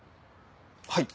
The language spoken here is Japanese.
はい。